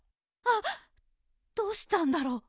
はっどうしたんだろ。